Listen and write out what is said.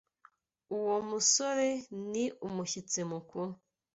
Uwo musore ni umushyitsi mukuru.